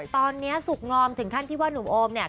ตอนนี้สุขงอมถึงขั้นที่ว่าหนุ่มโอมเนี่ย